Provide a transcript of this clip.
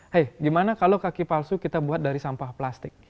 hei gimana kalau kaki palsu kita buat dari sampah plastik